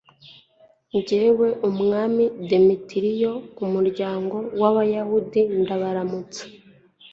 jyewe umwami demetiriyo, ku muryango w'abayahudi. ndabaramutsa